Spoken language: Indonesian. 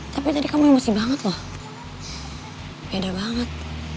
tapi tadi kamu emosi banget loh beda banget